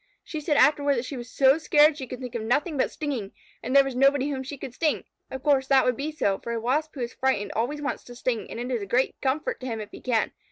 She said afterward that she was so scared she could think of nothing but stinging, and there was nobody whom she could sting. Of course, that would be so, for a Wasp who is frightened always wants to sting, and it is a great comfort to him if he can.